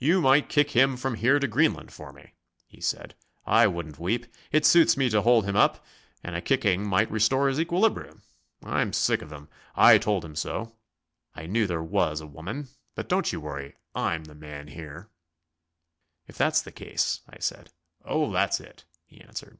"You might kick him from here to Greenland for me," he said; "I wouldn't weep. It suits me to hold him up, and a kicking might restore his equilibrium. I'm sick of him I've told him so. I knew there was a woman. But don't you worry; I'm the man here." "If that's the case ..." I said. "Oh, that's it," he answered.